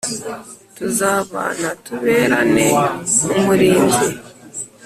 tuzabana tuberane umurinzi